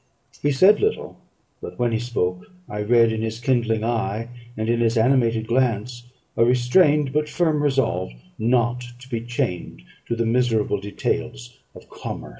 He said little; but when he spoke, I read in his kindling eye and in his animated glance a restrained but firm resolve, not to be chained to the miserable details of commerce.